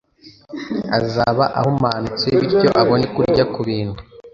azaba ahumanutse bityo abone kurya ku bintu